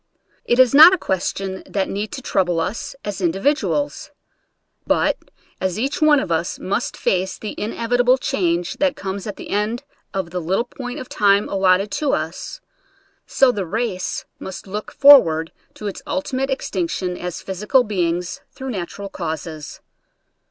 It is not a question that need to trou ble us as individuals; but as each one of us must face the inevitable change that comes at the end of the little point of time allotted to us, so the race must look forward to its ultimate extinction as physical beings through natural causes.